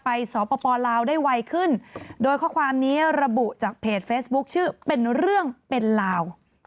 สปลาวได้ไวขึ้นโดยข้อความนี้ระบุจากเพจเฟซบุ๊คชื่อเป็นเรื่องเป็นลาว